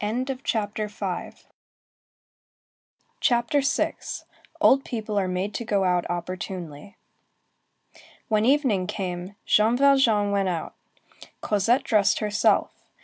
CHAPTER VI—OLD PEOPLE ARE MADE TO GO OUT OPPORTUNELY When evening came, Jean Valjean went out; Cosette dressed herself.